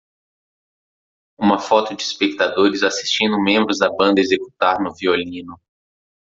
Uma foto de espectadores assistindo membros da banda executar no violino.